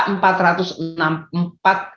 ini jauh lebih rendah hampir separuhnya